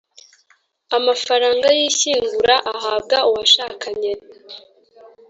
amafaranga y ishyingura ahabwa uwashakanye